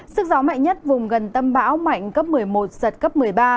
sức gió mạnh nhất vùng gần tâm bão mạnh cấp một mươi một giật cấp một mươi ba